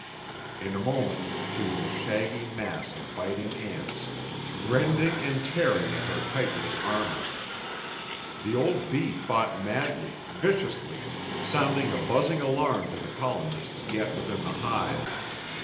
In a moment she was a shaggy mass of biting ants, rending and tearing at her chitinous armour. The old bee fought madly, viciously, sounding a buzzing alarm to the colonists yet within the hive.